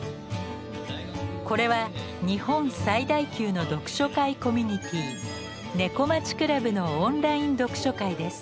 これは日本最大級の読書会コミュニティー「猫町倶楽部」のオンライン読書会です。